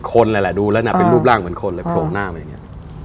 คนแหละดูแล้วนะเป็นรูปร่างเหมือนคนเลยโผล่หน้ามาอย่างนี้